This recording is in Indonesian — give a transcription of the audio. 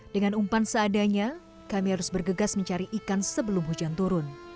dengan umpan seadanya kami harus bergegas mencari ikan sebelum hujan turun